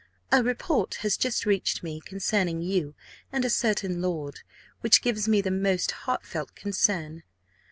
"A report has just reached me concerning you and a certain lord, which gives me the most heartfelt concern.